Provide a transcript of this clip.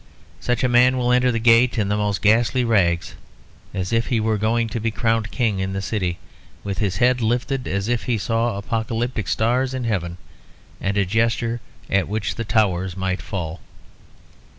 Such a man will enter the gate in the most ghastly rags as if he were going to be crowned king in the city; with his head lifted as if he saw apocalyptic stars in heaven, and a gesture at which the towers might fall.